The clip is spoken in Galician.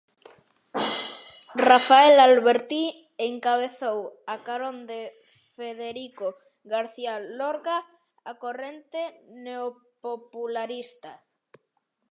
Rafael Alberti encabezou, a carón de Federico García Lorca, a corrente neopopularista.